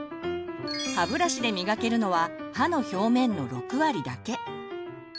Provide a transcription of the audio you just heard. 歯ブラシで磨けるのは歯の表面の６割だけ。